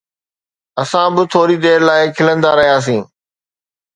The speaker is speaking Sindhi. اسان به ٿوري دير لاءِ کلندا رهياسين